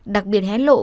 đặc biệt hé lộ